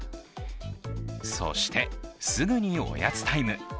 そして、すぐにおやつタイム。